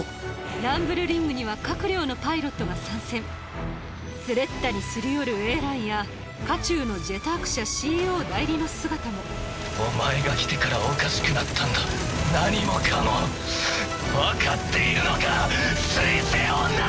ランブルリングには各寮のパイロットが参戦スレッタに擦り寄るエランや渦中の「ジェターク社」ＣＥＯ代理の姿もお前が来てからおかしくなったんだ何もかも。分かっているのか水星女！